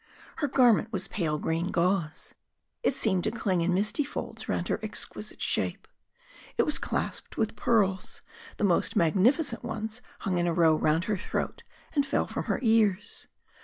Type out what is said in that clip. Her garment was pale green gauze. It seemed to cling in misty folds round her exquisite shape; it was clasped with pearls; the most magnificent ones hung in a row round her throat and fell from her ears.